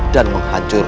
dan mencari raiber